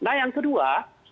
nah yang kedua